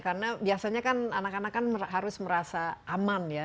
karena biasanya kan anak anak kan harus merasa aman ya